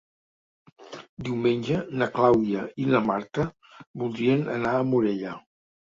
Diumenge na Clàudia i na Marta voldrien anar a Morella.